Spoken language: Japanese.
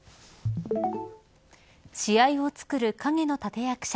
試合を作る陰の立役者